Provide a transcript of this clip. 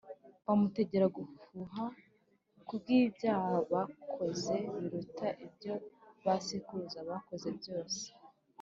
bamutera gufuha ku bw’ibyaha bakoze biruta ibyo ba sekuruza bakoze byose